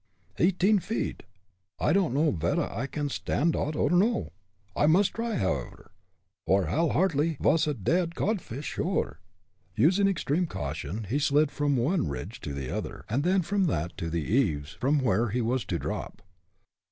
"Eighteen feet! I don'd know vedda I can stand dot or no. I must try it, however, or Hal Hartly vas a dead codfish sure." Using extreme caution, he slid from one ridge to the other, and then from that to the eaves, from where he was to drop.